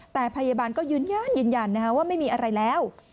แต่พยาบาลก็ยืนยันยืนยันว่าไม่มีอะไรแล้ว